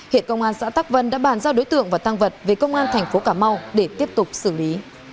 hiện công an xã tắc vân đã bàn giao đối tượng và tăng vật về công an thành phố cà mau để tiếp tục xử lý